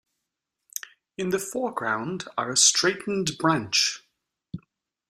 In the foreground are a straightened branch.